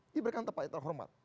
diberikan tempat yang terhormat